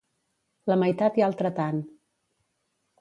La meitat i altre tant.